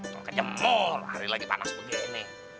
pengennya jemur hari lagi panas begini